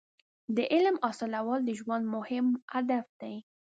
• د علم حاصلول د ژوند مهم هدف دی.